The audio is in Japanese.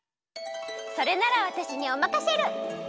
それならわたしにおまかシェル！